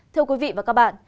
thưa quý vị và các bạn